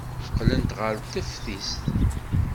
Qqlent ɣer teftist.